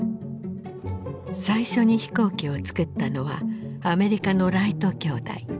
最初に飛行機をつくったのはアメリカのライト兄弟。